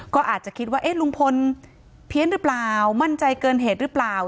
ก็อาจจะคิดว่าลุงพลเพี้ยนหรือเปล่ามั่นใจเกินเหตุหรือเปล่า